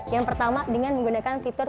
yang pertama dengan menggunakan fitur